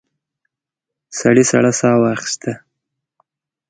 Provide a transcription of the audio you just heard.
سړي سړه سا ويسته.